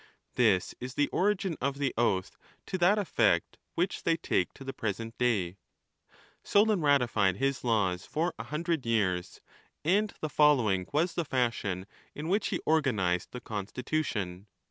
This is the origin of the oath to that effect which they take to the present day. Solon ratified his laws for a hundred years ; and the following was the fashion in which he organized the consti tution.